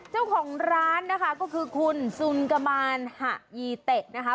เจ้าของร้านนะคะก็คือคุณสุนกมานหะยีเตะนะคะ